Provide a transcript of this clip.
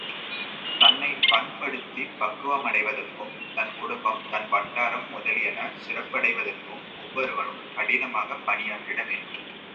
தன்னைப் பண்படுத்திப் பக்குவமடைவதற்கும், தன் குடும்பம், தன் வட்டாரம் முதலியன சிறப்படைவதற்கும், ஒவ்வொருவனும் கடினமாகப் பணியாற்றிட வேண்டும்.